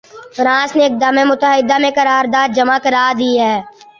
France نے اقدام متحدہ میں قرارداد جمع کرا دی ہے۔